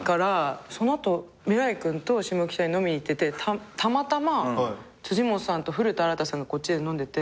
その後未來君と下北に飲みに行っててたまたま辻本さんと古田新太さんがこっちで飲んでて。